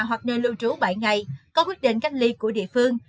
hoặc nơi lưu trú bảy ngày có quyết định cách ly của địa phương